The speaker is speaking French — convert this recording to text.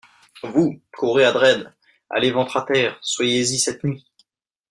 Vous, courez à Dresde ; allez ventre à terre ; soyez-y cette nuit.